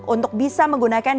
untuk bisa menggunakan